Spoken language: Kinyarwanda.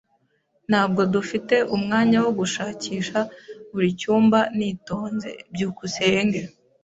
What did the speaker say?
Ntabwo dufite umwanya wo gushakisha buri cyumba nitonze. byukusenge